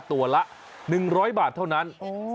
ตัวละ๑๐๐บาทเท่านั้น